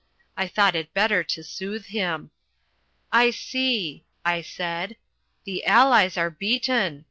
I thought it better to soothe him. "I see," I said, "the Allies are beaten.